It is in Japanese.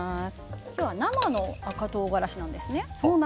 今日は生の赤唐辛子なんですね。